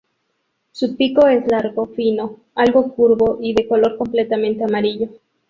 Su pico es largo fino, algo curvo, y de color completamente amarillo.